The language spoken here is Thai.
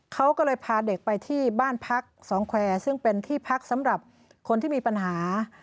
เขาก็เลยพาเด็กไปที่บ้านพักสองแควร์ซึ่งเป็นที่พักสำหรับคนที่มีปัญหา